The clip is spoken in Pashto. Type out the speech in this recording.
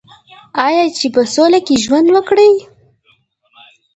آیا چې په سوله کې ژوند وکړي؟